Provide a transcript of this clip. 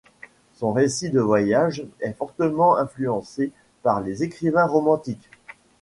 Son récit de voyage est fortement influencé par les écrivains romantiques.